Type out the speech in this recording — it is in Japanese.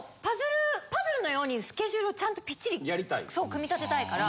組み立てたいから。